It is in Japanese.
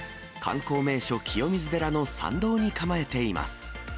観光名所、清水寺の参道に構えています。